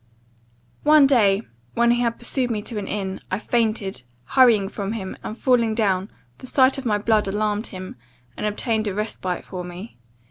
"One day, when he had pursued me to an inn, I fainted, hurrying from him; and, falling down, the sight of my blood alarmed him, and obtained a respite for me.